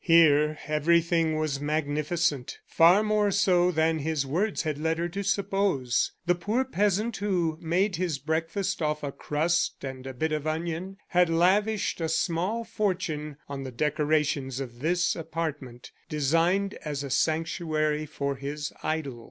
Here, everything was magnificent, far more so than his words had led her to suppose. The poor peasant who made his breakfast off a crust and a bit of onion had lavished a small fortune on the decorations of this apartment, designed as a sanctuary for his idol.